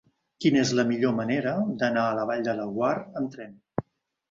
Quina és la millor manera d'anar a la Vall de Laguar amb tren?